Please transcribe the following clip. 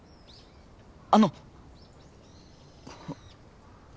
あの。